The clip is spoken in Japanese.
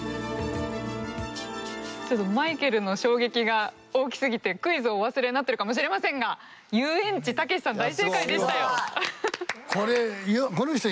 ちょっとマイケルの衝撃が大きすぎてクイズをお忘れになってるかもしれませんが遊園地たけしさん